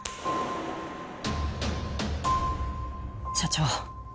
社長